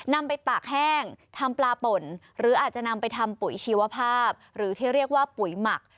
นำไปตากแห้งทำปลาป่นหรืออาจจะนำไปทำปุ๋ยชีวภาพหรือที่เรียกว่าปุ๋ยหมัก